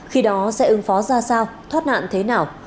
khi đó sẽ ứng phó ra sao thoát nạn thế nào